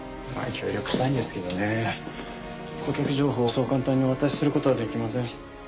協力したいんですけどね顧客情報をそう簡単にお渡しする事はできません。